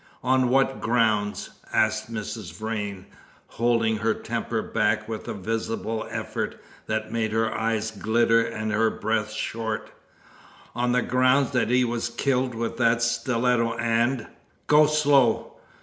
"On what grounds?" asked Mrs. Vrain, holding her temper back with a visible effort, that made her eyes glitter and her breath short. "On the grounds that he was killed with that stiletto and " "Go slow!